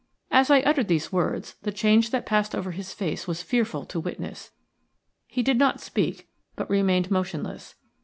As I uttered these words the change that passed over his face was fearful to witness. He did not speak, but remained motionless.